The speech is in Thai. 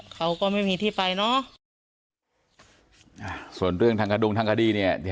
เขาก็ไม่มีที่ไปเนอะส่วนเรื่องทางกระดุงทางคดีเนี่ย